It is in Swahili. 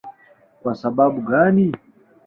Kwa sababu gani?